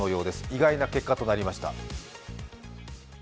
意外な結果となりました。